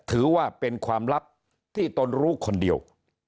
ถือว่าเป็นความลับที่ตนรู้คนเดียว